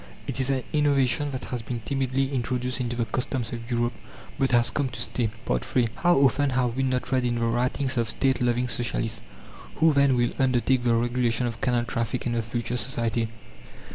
It is an innovation that has been timidly introduced into the customs of Europe, but has come to stay. III How often have we not read in the writings of State loving Socialists: "Who, then, will undertake the regulation of canal traffic in the future society?